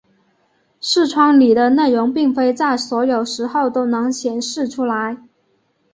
视窗里的内容并非在所有时候都能显示出来。